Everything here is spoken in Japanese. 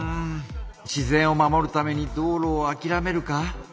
自然を守るために道路をあきらめるか？